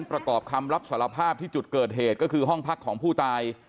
ประกอบคำรับสารภาพที่จุดเกิดเหตุก็คือห้องพักของผู้ตาย